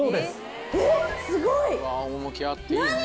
すごい！何？